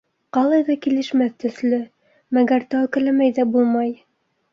Ҡалай ҙа килешмәҫ төҫлө, мәгәр тәүәккәлләмәй ҙә булмай.